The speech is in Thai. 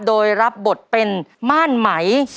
โดยรับบทเป็นม่านไหม